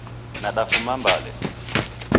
Nadafuma Mbale